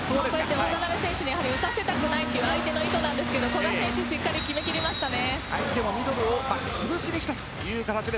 渡邊選手に打たせたくないという相手の意図ですが古賀選手しっかり決めきりましたね。